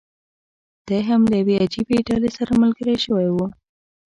دی هم له یوې عجیبي ډلې سره ملګری شوی و.